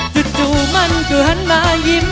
จุดจุดมันก็หันมายิ้ม